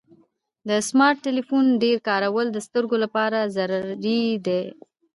د سمارټ ټلیفون ډیر کارول د سترګو لپاره ضرري دی.